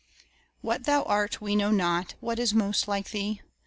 What thou art we know not; What is most like thee?